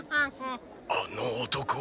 あの男は。